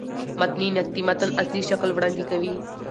متني نقد د متن اصلي شکل وړاندي کوي.